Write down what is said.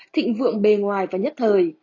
thịnh vượng bề ngoài và nhất thời